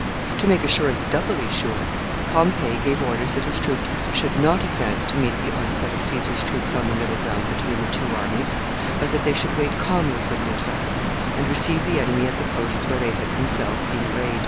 To make assurance doubly sure, Pompey gave orders that his troops should not advance to meet the onset of Caesar's troops on the middle ground between the two armies, but that they should wait calmly for the attack, and receive the enemy at the posts where they had themselves been arrayed.